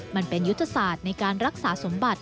มันเป็นยุทธศาสตร์ในการรักษาสมบัติ